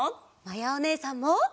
まやおねえさんも！